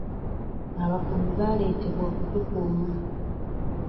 Abakuumi baaletebwa okutukuuma